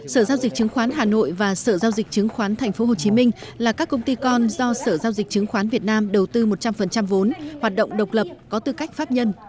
sở giao dịch chứng khoán hà nội và sở giao dịch chứng khoán tp hcm là các công ty con do sở giao dịch chứng khoán việt nam đầu tư một trăm linh vốn hoạt động độc lập có tư cách pháp nhân